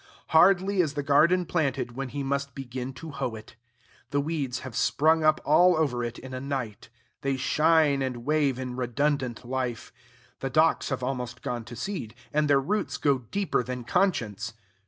Hardly is the garden planted, when he must begin to hoe it. The weeds have sprung up all over it in a night. They shine and wave in redundant life. The docks have almost gone to seed; and their roots go deeper than conscience.